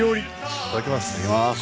いただきます。